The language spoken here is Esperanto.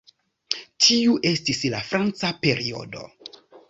Tiu estis la "franca periodo".